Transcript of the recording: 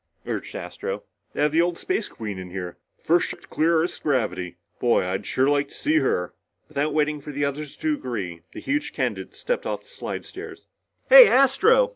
urged Astro. "They have the old Space Queen in here, the first ship to clear Earth's gravity. Boy, I'd sure like to see her!" Without waiting for the others to agree, the huge candidate stepped off the slidestairs. "Hey, Astro!"